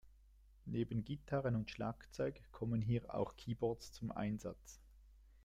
Neben Gitarren und Schlagzeug kommen hier auch Keyboards zum Einsatz.